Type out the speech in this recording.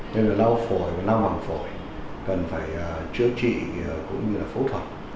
nên là lau phổi lau bằng phổi cần phải chữa trị cũng như là phẫu thuật